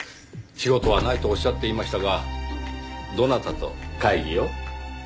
仕事はないとおっしゃっていましたがどなたと会議を？